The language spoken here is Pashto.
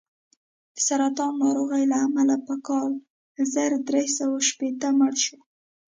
د سرطان ناروغۍ له امله په کال زر درې سوه شپېته مړ شو.